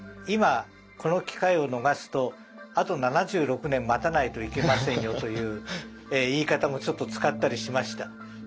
今この機会を逃すとあと７６年待たないといけませんよという言い方もちょっと使ったりしました。